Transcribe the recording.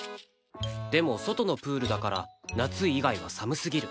でも外のプールだから夏以外は寒すぎる